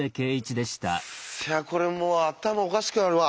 いやこれもう頭おかしくなるわ。